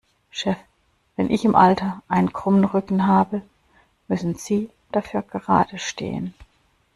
Chef, wenn ich im Alter einen krummen Rücken habe, müssen Sie dafür geradestehen.